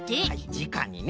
じかにね。